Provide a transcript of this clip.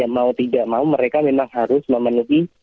mau tidak mau mereka memang harus memenuhi